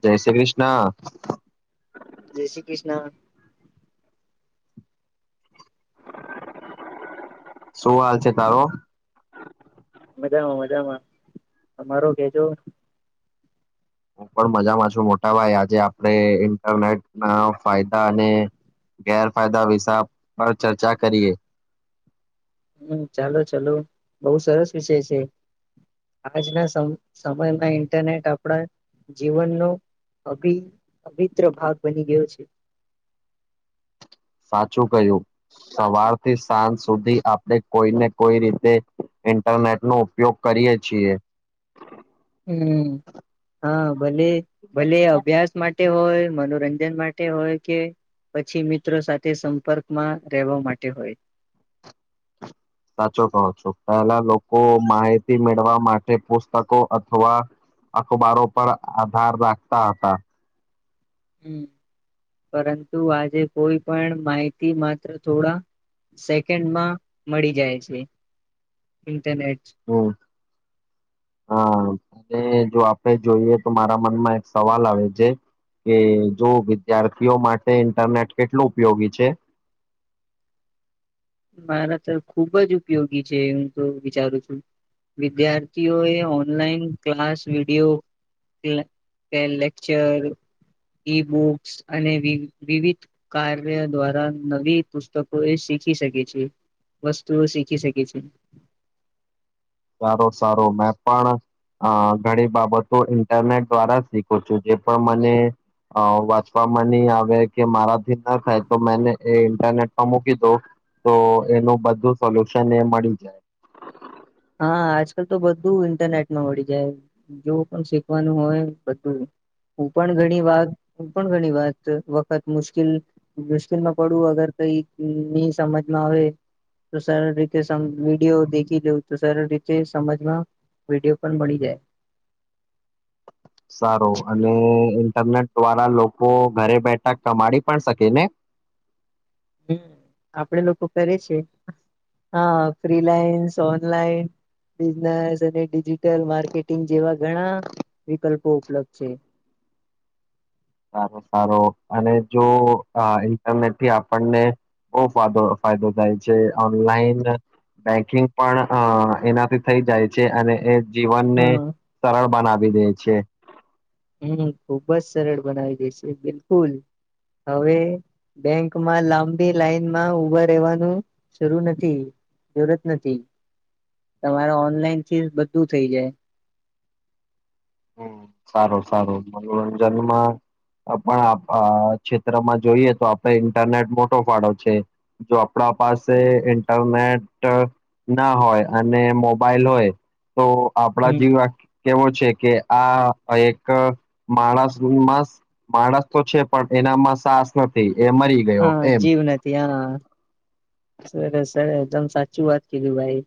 જય શ્રી ક્રિષ્ના. જય શ્રી ક્રિષ્ન. શું હાલ છે તારો? મજામાં મજામાં, અમારો કેજો. હું પણ મજામાં છું, મોટાભાઈ. આજે આપણે ઇન્ટરનેટના ફાયદા અને ગેરફાયદા વિશા પર ચર્ચા કરીએ. હમ, ચાલો ચાલો, બહુ સરસ વિષય છે. આજના સમ સમયમાં ઇન્ટરનેટ આપડા જીવનનો અભિ અભિત્ર ભાગ બની ગયો છે. સાચું કહ્યું, સવારથી સાંજ સુધી આપડે કોઈ ને કોઈ રીતે ઇન્ટરનેટનો ઉપયોગ કરીએ છીએ. હમ. હા, ભલે ભલે, અભ્યાસ માટે હોય મનોરંજન માટે હોય, કે પછી મિત્રો સાથે સંપર્કમાં રહેવા માટે હોય. સાચો કહો છો, પહેલા લોકો માહિતી મેળવા માટે પુસ્તકો અથવા અખબારો પર આધાર રાખતા હતા. હમ, પરંતુ આજે કોઈ પણ માહિતી માત્ર થોડા સેકન્ડમાં મળી જાય છે. ઇન્ટરનેટ હમ, હા. ને જો આપડે જોઈએ, તો મારા મનમાં એક સવાલ આવે છે કે, જો વિદ્યાર્થીઓ માટે ઇન્ટરનેટ કેટલું ઉપયોગી છે? મારા તો ખુબ જ ઉપયોગી છે. હું તો વિચારું છું, વિદ્યાર્થીઓએ ઓનલાઈન ક્લાસ, વિડીયો કે લે કે લેકચર, ઈ બુક્સ અને વિવ વિવિધ કાર્ય દ્વારા નવી પુસ્તકો એ શીખી શકે છે. છે, વસ્તુઓ શીખી શકે છે. સારો સારો, મેં પણ અ ઘણી બાબતો ઈન્ટરનેટ દ્વારા શીખું છું. જે પણ મને વાંચવામાં નહીં આવે, કે મારાથી ના થાય, તો મેને એ ઇન્ટરનેટમાં મૂકી દઉં, તો એનું બધું સોલ્યુશન એ મળી જાય. હા, આજકાલ તો બધું ઇન્ટરનેટમાં મળી જાય. જોવ પણ શીખવાનું હોય, બધું. હું પણ ઘણી વાર, હું પણ ઘણી વાત વખત મુશ્કિલ મુશ્કેલમાં પડું, અગર કંઈ ની સમજમાં આવે, તો સરળ રીતે સમ વિડીયો દેખી લઉં. તો, સરળ રીતે સમજમાં વિડીયો પણ બની જાય. સારો, અને ઇન્ટરનેટ દ્વારા લોકો ઘરે બેઠા કમાડી પણ શકે ને? હમ, આપડે લોકો કરીયે છીએ, હા ફ્રીલાઈન્સ, ઓનલાઈન, બિઝનેસ અને ડિજિટલ માર્કેટિંગ જેવા ઘણા વિકલ્પો ઉપલબ્ધ છે. સારો સારો અને જો અ ઇન્ટરનેટથી આપણને બહો ફાદો ફાયદો થાય છે, ઓનલાઈન બેંકિંગ પણ અ એનાથી થઈ જાય છે, અને એ જીવનને હા સરળ બનાવી દે છે. હમ, ખુબ જ સરળ બનાવી દેશે બિલકુલ. હવે બેંકમાં લાંબી લાઈનમાં ઉભા રહેવાનું શરૂ નથી, જરૂરત નથી, તમારા ઓનલાઈનથી બધું થઇ જાય. હમ, સારું સારું મનોરંજનમાં પણ આપ અ ક્ષેત્રમાં જોઈએ તો આપણે ઇન્ટરનેટ મોટો ફાળો છે, જો આપડા પાસે ઈન્ટરનેટ ના હોય અને મોબાઈલ હોય તો આપડા હમ્મ જીવા કેવો છે કે આ એક માણસ માસ માણસ તો છે, પણ એનામાં સાસ નથી એ મરી ગયો હા, એમ જીવ નથી હા. સરસ સર એકદમ સાચી વાત કીધી ભાઈ.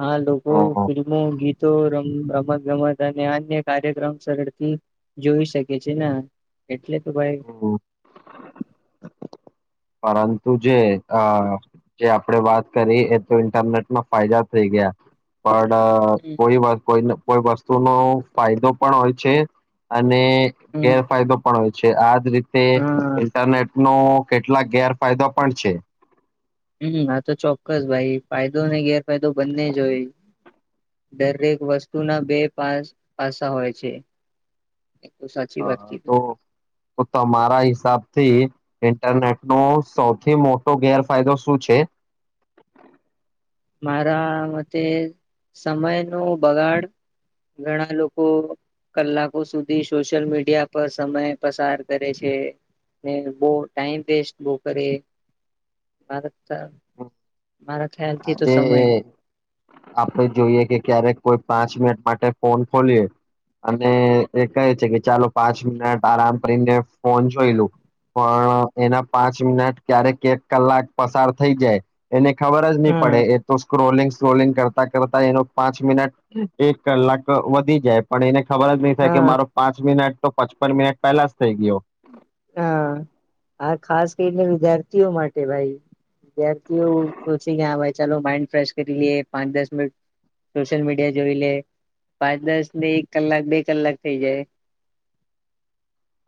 હા, હ લોકો ફિલ્મો ગીતો રમ હૂં રમત ગમત અને અન્ય કાર્યક્રમ સરળથી જોઈ શકે છે ન એટલે તો ભાઈ પરંતુ જે અ જે આપડે વાત કરી એ તો ઇન્ટરનેટમાં ફાયદા થઈ ગયા પણ અ કોઈ મ કોઈન કોઈ વસ્તુ નો ફાયદો પણ હોય છે અ અને હમ ગેરફાયદો પણ હોય છે આજ રીત તે હા ઇન્ટરનેટ નો કેટલાક ગેરફાયદો પણ છે. હમ આ તો ચોક્કસ ભાઈ ફાયદો અને ગેરફાયદો બંને જ હોય દરેક વસ્તુના બે પાસ પાસા હોય છે. એ તો સાચી વાત હા કીધી તો તમારા હિસાબથી ઇન્ટરનેટનો સૌથી મોટો ગેરફાયદો શું છે? મારા મતે સમયનો બગાડ ઘણા લોકો કલાકો સુધી સોશિયલ મીડિયા પર સમય પસાર કરે છે ને બહુ ટાઈમ વેસ્ટ બહુ કરે મારા મારા. ખ્યાલ થી તો આજે સમય આપડે જોઈએ કે ક્યારેક કોઈ પાંચ મિનટ માટે ફોન ખોલીએ અને એ કહે છે, કે ચાલો પાંચ મિનિટ આરામ કરીને ફોન જોઈ લું પણ એના પાંચ મિનટ ક્યારેક એક કલાક પસાર થઈ જાય એને ખબર હા પડે એ તો સ્કોરલિગ સ્કોરલીગ કરતા એનો પાંચ મિનટ, એક કલાક વધી જાય પણ એને ખબર જ નહીં થાય કે હા મારો પાંચ મિનિટ તો પચપન મિનિટ પેલાસ થઈ ગયો. હા હા ખાસ કરીને વિદ્યાર્થીઓ માટે ભાઈ વિદ્યાર્થીઓ સચે કે હા ભાઈ ચાલો માઇન્ડ ફેશ કરી લે, પાંચ દસ મિનિટ સોશિયલ મીડિયા જોઈ લે, પાંચ દસ ને એક કલાક બે કલાક થઈ જાય.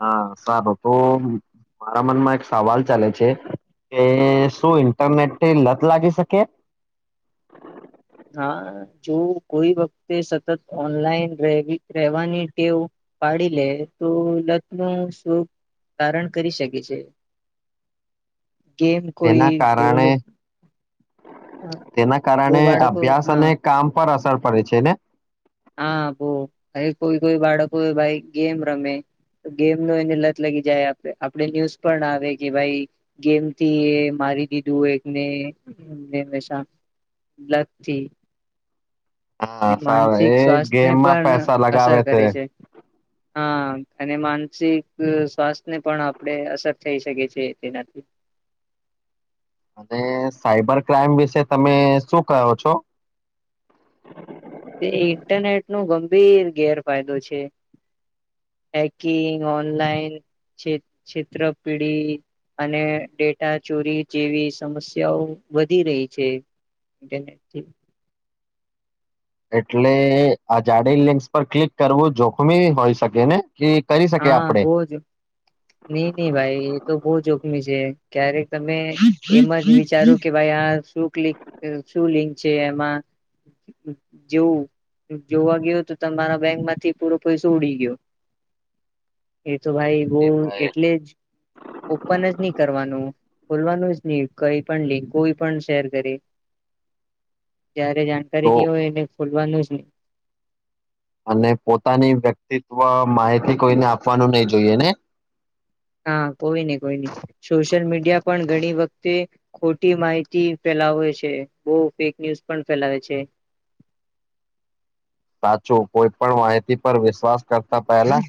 હા, સારું તો મારા મનમાં એક સવાલ ચાલે છે કે શું ઇન્ટરનેટની લત લાગી શકે? હા, જો કોઈ વખતે સતત ઓનલાઈન રહેેવાની ટેવ પાડી લે તો લતનું શું ધારણ કરી શકે છે. ગેમ કોઈ તેના બોલો કારણે તેના બહુ કારણે આપ બાળકો અભ્યાસ હા અને કામ પર અસર પડે છે ને હા બો હ કોઈ કોઈ બાળકો ભાઈ ગેમ રમે ગેમ એને લત લાગી જાય આપડે ન્યુઝ પણ આવે કે ભાઈ ગેમથી એ મારી દીધું એકને હમેશા લતથી હા સારુ એ સ્વાસ્થ્યને ગેમમાં પણ પૈસા અસર લગાવે કરે છે. હા અને માનસિક સ્વાસ્થ્યને પણ આપણે અસર થઈ શકીએ છીએ તેનાથી અને સાઈબર ક્રાઈમ વિશે તમે શું કહો છો તે ઇન્ટરનેટ નો ગંભીર ગેરફાયદો છે પેકિંગ ઓનલાઈન છેત્ર પીડી અને ડેટા ચોરી જેવી સમસ્યાઓ વધી રહી છે. એટલે આ જાડે લિન્ક્સ પર ક્લિક કરવું જોખમી હોઈ શકે ને કે કરી શકે હા આપણે બો જ નહી નહી ભાઈ એ તો બહ જોખમી છે. જે ક્યારેક તમે એમ જ વિચારો કે ભાઈ આ શું ક્લિક શું લિંક છે એમાં જેવું જોવા ગયો તો તમારા બેંકમાંથી પૂરો પૈસો ઉડી ગયો. એ તો ભાઈ એ બોવ ભાઈ એટલે જ ઓપન જ નહી કરવાનું. ખોલવાનું જ ની કઈ પણ લિંક કોઈ પણ શેર કરી જયારે તો જાણકારીની હોય ને બોલવાનું જ ની અને પોતાની વ્યક્તિત્વ માહિતી કોઈને આપવાનું નહી જોઈએ ને હા કોઈ ની કોઈ ની સોશિયલ મીડિયા પણ ઘણી વખતે ખોટી માહિતી ફેલાવે છે બો ફેક ન્યુઝ પણ ફેલાવે છે. સાચું કોઈ પણ માહિતી પર વિશ્વાસ કરતા પહેલા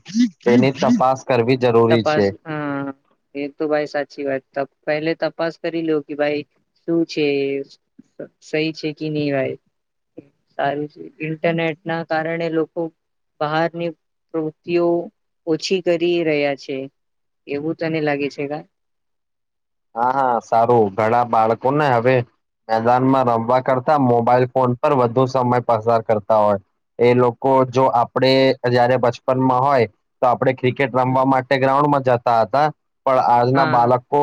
તેની તપાસ કરવી જરૂરી તપાસ છે હ એ તો ભાઈ સાચ સાચી વાત પહેલે તપાસ કરી લો કે ભાઈ શું છે સહી છે કે ની ભાઈ સારું છે ઇન્ટરનેટ ના કારણે લોકો બહારની પ્રવૃતિઓ ઓછી કરી રહ્યા છે એવું તને લાગે છે કા હા હા સારું ઘણા બાળકોને હવે મેદાનમાં રમવા કરતા મોબાઈલ ફોન પર વધુ સમય પસાર કરતા હોય એ લોકો જો આપડે જયારે બચપનમાં હોય તો આપડે ક્રિકેટ રમવા માટે ગ્રાઉન્ડમાં જતા તા હતા પણ આજના હા બાલકો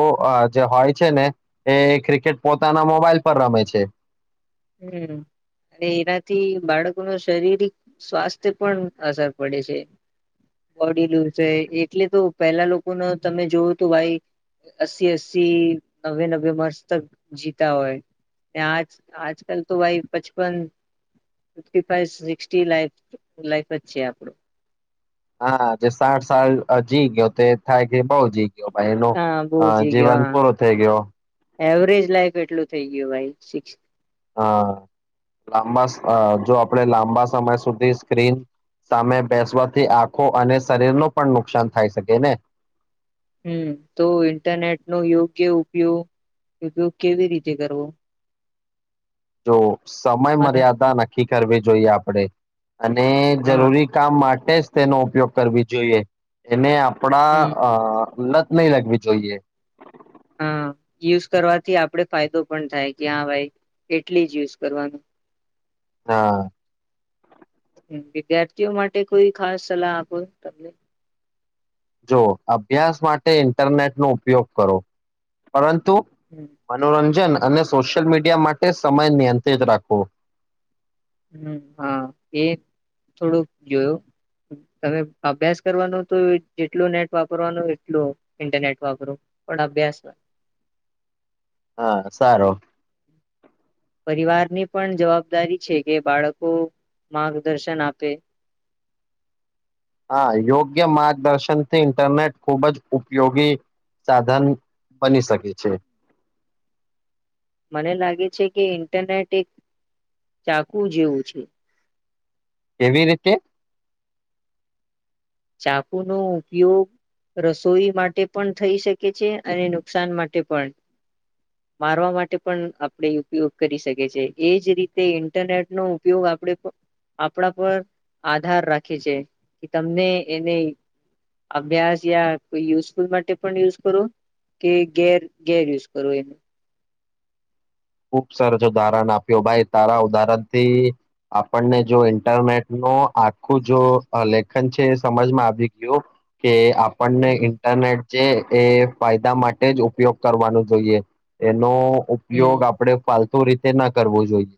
જે હોય છે ને એ ક્રિકેટ પોતાના મોબાઈલ પર રમે છે. હમ અને એનાથી બાળકોનુ શરીરિક સ્વાસ્થ્ય પણ અસર પડે છે બોડી લુઝ છે એટલે તો પહેલા લોકો ને તમે જોવું તો ભાઈ અસી અસી નવે નવે વર્ષ તક જીતા હોય ને આજ આજ ચાલ તો ભાઈ પચપન લાઈફ જ છે આપણે હા જે સાઠ સાળ જી ગયો તે થાય કે બઉ જી ભાઈ એનું હા બહુ જી ગયો જીવન હા પૂરુ થઈ ગયો. એવરેજ લાઈફ એટલું થઈ ગયું ભાઈ સિક્સ હા લાંબા સ- અ જો આપણે લાંબા સમય સુધી સ્ક્રીન સામે બેસવાથી આંખો અને શરીરનું પણ નુકસાન થાય શકે ને હમ તો ઇન્ટરનેટ નો યોગ્ય ઉપયોગ ઉપયોગ કેવી રીતે કરવો જો સમય તમારા મર્યાદા નક્કી કરવી જોઈએ આપણે અને હા જરૂરી કામ માટે જ તેનો ઉપયોગ કરવી જોઈએ એને આપણા હમ અ લત નહી લગવી જોઈએ હા યુઝ કરવાથી આપડે ફાયદો પણ થાય કે હા ભાઈ એટલી જ યુઝ કરવાનું હા હમ, વિદ્યાર્થીઓ માટે કોઈ ખાસ સલાહ આપો તમને જો અભ્યાસ માટે ઇન્ટરનેટ નો ઉપયોગ કરો પરંતુ હમ મનોરંજન અને સોશિયલ મીડિયા માટે સમય નિયંત્રિત રાખવો હમ, હા એ થોડુંક જોયો તમે અભ્યાસ કરવાનો તો જેટલું નેટ વાપરવાનો એટલો ઇન્ટરનેટ વાપરો પણ અભ્યાસ હા સારો પરિવારની પણ જવાબદારી છે કે બાળકો માર્ગદર્શન આપે હા યોગ્ય માર્ગદર્શનથી ઇન્ટરનેટ ખૂબ જ ઉપયોગી સાધન બની શકે છે મને લાગે છે કે ઇન્ટરનેટ એક ચાકુ જેવું છે કેવી રીતે ચાકુ નો ઉપયોગ રસોઈ માટે પણ થઈ શકે છે અને નુકસાન માટે પણ મારવા માટે પણ આપણે ઉપયોગ કરી શકે છે એજ રીતે ઇન્ટરનેટનો ઉપયોગ આપણે પ આપણા પર આધાર રાખે છે કે તમને એને અભ્યાસ યા કોઈ યુઝફુલ માટે પણ યુઝ કરો કે ગેર ગેર યુઝ કરો એનો ખુબ સરસ ઉદાહરણ આપ્યો ભાઈ તારા ઉદાહરણથી આપણને જો ઇન્ટરનેટ નો આખું જો લેખન છે સમજમાં આવી ગયું કે આપણને હમ ઇન્ટરનેટ છે એ ફાયદા માટે જ ઉપયોગ કરવાનું જોઈએ એનો હમ ઉપયોગ આપણે ફાલતુ રીતે ના કરવો જોઈએ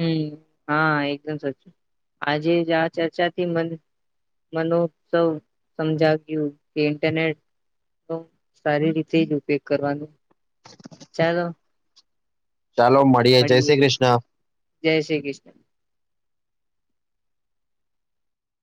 હમ હા એકદમ સાચું આજે જ આ ચર્ચાથી મન મનો સૌ સમજાવ્યું કે ઇન્ટરનેટ નો સારી રીતે જ ઉપયોગ કરવાનો ચાલો ચાલો મળીએ જય મળીએ શ્રી કૃષ્ણ જય શ્રી કૃષ્ણ